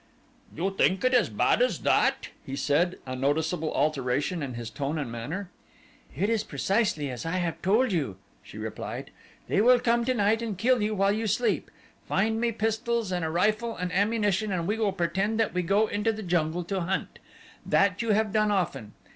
"You think it is as bad as that?" he said, a noticeable alteration in his tone and manner. "It is precisely as I have told you," she replied. "They will come tonight and kill you while you sleep. Find me pistols and a rifle and ammunition and we will pretend that we go into the jungle to hunt. That you have done often.